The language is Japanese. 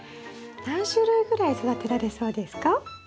何種類ぐらい育てられそうですか？